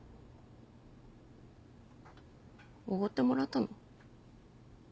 おごってもらったの？